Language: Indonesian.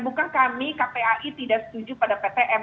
bukan kami kpai tidak setuju pada ptm